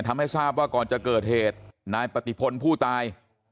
ทำให้ทราบว่าก่อนจะเกิดเหตุนายปฏิพลผู้ตาย